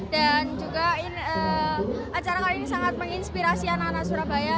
dan juga acara kali ini sangat menginspirasi anak anak surabaya